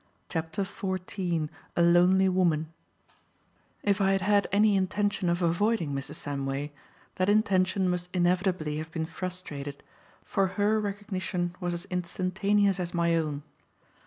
CHAPTER XIV A LONELY WOMAN IF I had had any intention of avoiding Mrs. Samway, that intention must inevitably have been frustrated, for her recognition was as instantaneous as my own.